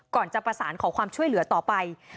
จะประสานขอความช่วยเหลือต่อไป